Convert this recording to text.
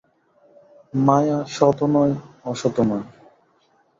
মায়া সৎও নয়, অসৎও নয়।